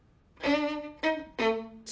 次。